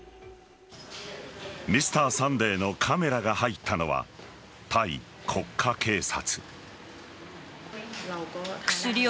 「Ｍｒ．サンデー」のカメラが入ったのはタイ国家警察。